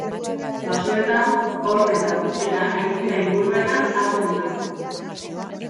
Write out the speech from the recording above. Basoetan, hormetan eta aintzira inguruetan hazten da.